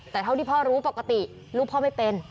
แต่เท่าที่พ่อรู้ปกติลูกพ่อไม่เป็น